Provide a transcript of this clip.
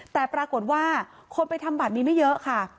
แต่ปรากฏว่าคนไปทำบัตรนี้ไม่เยอะค่ะ